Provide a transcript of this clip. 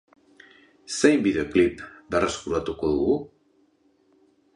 Zein bideoklip berreskuratuko dugu?